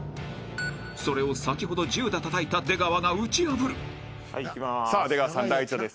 ［それを先ほど１０打たたいた出川が打ち破る］いきます。